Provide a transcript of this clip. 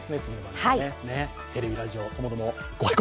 テレビ・ラジオともどもご愛顧